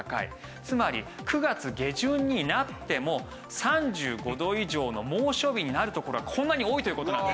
つまり９月下旬になっても３５度以上の猛暑日になる所はこんなに多いという事なんです。